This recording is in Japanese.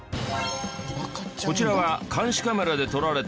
こちらは監視カメラで撮られた